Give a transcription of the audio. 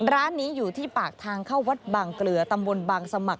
ร้านนี้อยู่ที่ปากทางเข้าวัดบางเกลือตำบลบางสมัคร